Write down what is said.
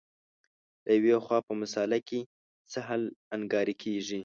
له یوې خوا په مسأله کې سهل انګاري کېږي.